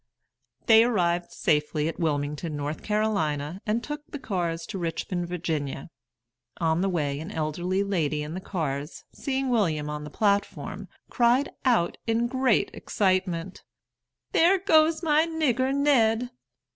They arrived safely at Wilmington, North Carolina, and took the cars to Richmond, Virginia. On the way, an elderly lady in the cars, seeing William on the platform, cried out, in great excitement, "There goes my nigger Ned!"